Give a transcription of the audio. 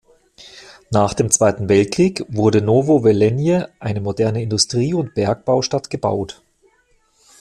Nach dem Zweiten Weltkrieg wurde "Novo Velenje", eine moderne Industrie- und Bergbaustadt, gebaut.